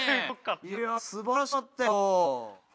いやすばらしかったよ。